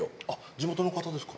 地元の方ですか？